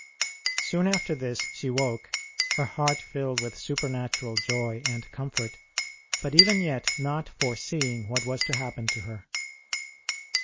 Soon after this she woke, her heart filled with supernatural joy and comfort, but even yet not foreseeing what was to happen to her.